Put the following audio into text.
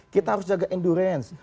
kita harus jaga endurance